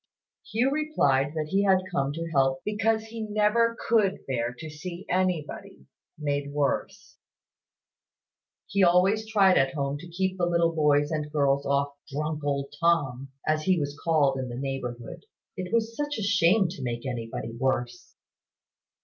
Hugh replied that he had come to help because he never could bear to see anybody made worse. He always tried at home to keep the little boys and girls off "drunk old Tom," as he was called in the neighbourhood. It was such a shame to make anybody worse!